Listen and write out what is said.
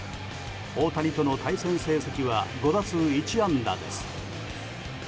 大谷との対戦成績は５打数１安打です。